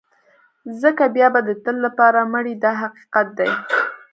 ځکه بیا به د تل لپاره مړ یې دا حقیقت دی.